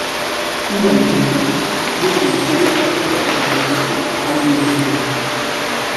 Ura iristean, lurren ureztatzea eta landaketa ahalbidetu zuen.